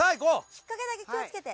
引っ掛けだけ気をつけて。